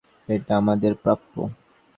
এটা আমাদের প্রাপ্য।